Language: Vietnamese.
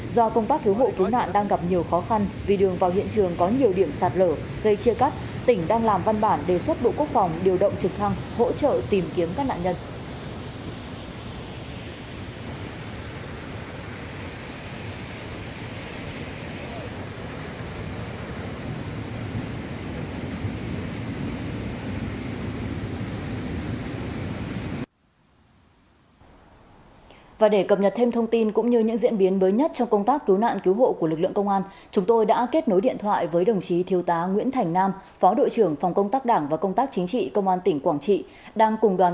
do công tác cứu hộ cứu nạn đang gặp nhiều khó khăn vì đường vào hiện trường có nhiều điểm sạt lửa gây chia cắt tỉnh đang làm văn bản đề xuất bộ quốc phòng điều động trực thăng hỗ trợ tìm kiếm các nạn nhân